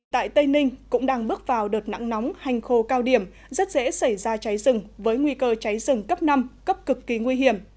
tại tây ninh cũng đang bước vào đợt nặng nóng hành khô cao điểm rất dễ xảy ra cháy rừng với nguy cơ cháy rừng cấp năm cấp cực kỳ nguy hiểm